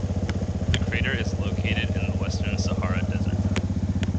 The crater is located in the western Sahara Desert.